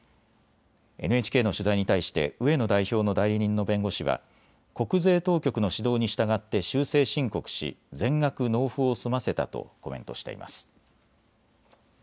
ＮＨＫの取材に対して植野代表の代理人の弁護士は国税当局の指導に従って修正申告し全額納付を済ませたとコメントしています。